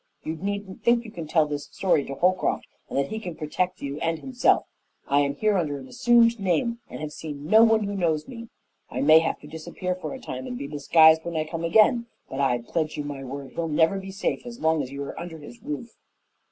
You needn't think you can tell this story to Holcroft and that he can protect you and himself. I'm here under an assumed name and have seen no one who knows me. I may have to disappear for a time and be disguised when I come again, but I pledge you my word he'll never be safe as long as you are under his roof."